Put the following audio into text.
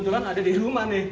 kebetulan ada di rumah nih